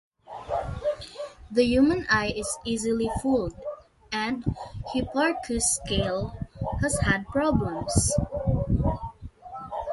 The human eye is easily fooled, and Hipparchus's scale has had problems.